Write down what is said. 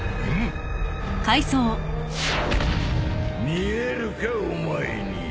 見えるかお前に